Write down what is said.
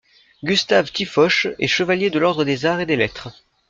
Gustave Tiffoche est chevalier de l'ordre des Arts et des Lettres.